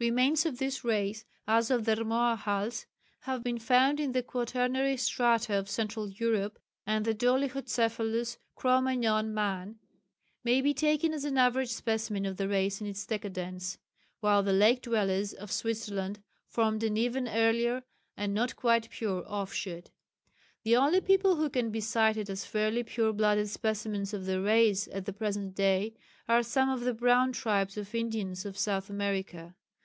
Remains of this race, as of the Rmoahals, have been found in the quaternary strata of Central Europe, and the dolichocephalous "Cro Magnon man" may be taken as an average specimen of the race in its decadence, while the "Lake Dwellers" of Switzerland formed an even earlier and not quite pure offshoot. The only people who can be cited as fairly pure blooded specimens of the race at the present day are some of the brown tribes of Indians of South America.